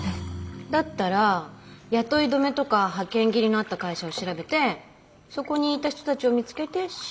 だったら雇い止めとか派遣切りのあった会社を調べてそこにいた人たちを見つけて取材してみる。